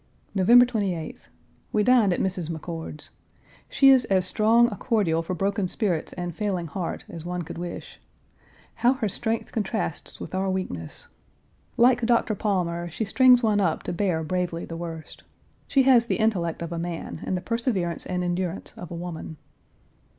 November 28th. We dined at Mrs. McCord's. She is as strong a cordial for broken spirits and failing heart as one could wish. How her strength contrasts with our weakness. Like Doctor Palmer, she strings one up to bear bravely the worst. She has the intellect of a man and the perseverance and endurance of a woman.